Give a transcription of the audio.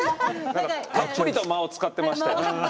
たっぷりと間を使ってましたよ。